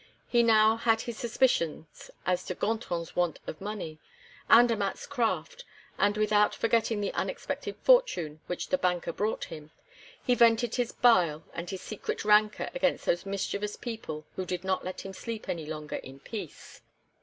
He now had his suspicions as to Gontran's want of money, Andermatt's craft, and, without forgetting the unexpected fortune which the banker brought him, he vented his bile and his secret rancor against those mischievous people who did not let him sleep any longer in peace.